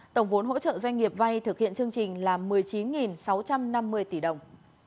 tổng vốn hỗ trợ doanh nghiệp vay thực hiện chương trình là một mươi chín sáu trăm năm mươi tỷ đồng